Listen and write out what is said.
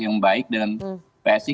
yang baik dengan psi